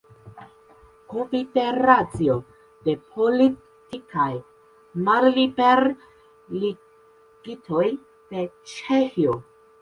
Konfederacio de politikaj malliberigitoj de Ĉeĥio.